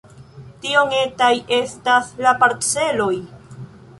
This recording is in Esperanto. Tiom etaj estas la parceloj!